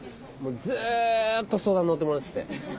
ずっと相談乗ってもらってて。